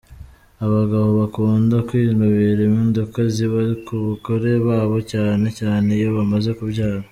Abagabo bakunda kwinubira impinduka ziba ku bagore babo cyane cyane iyo bamaze kubyara.